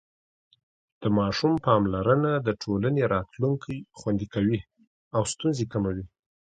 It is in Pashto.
د ماشوم پاملرنه د ټولنې راتلونکی خوندي کوي او ستونزې کموي.